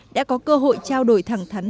đã có cơ hội trao đổi thẳng thắn